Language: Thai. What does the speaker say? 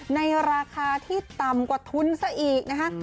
ในราคาที่ต่ำกว่าทุนซะอีกนะคะ